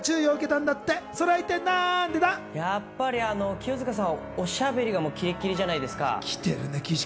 清塚さん、おしゃべりがキレッキレじゃないですか。